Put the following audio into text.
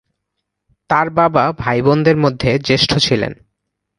তার বাবা ভাইবোনদের মধ্যে জ্যেষ্ঠ ছিলেন।